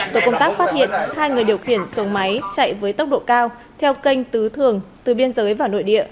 tổ công tác phát hiện hai người điều khiển xuống máy chạy với tốc độ cao theo kênh tứ thường từ biên giới vào nội địa